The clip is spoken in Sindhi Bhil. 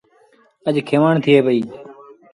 اَڄ کينوڻ ٿئي پئيٚ۔